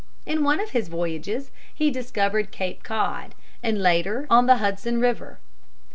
In one of his voyages he discovered Cape Cod, and later on the Hudson River.